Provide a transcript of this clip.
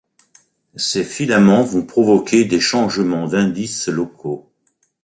Ces filaments vont provoquer des changements d'indice locaux.